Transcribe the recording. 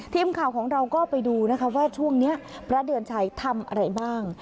ทีมข่าวของเราก็ไปดูนะคะว่าช่วงนี้พระเดือนชัยทำอะไรบ้าง